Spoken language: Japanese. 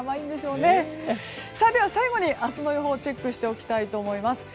では最後に明日の予報をチェックしていきたいと思います。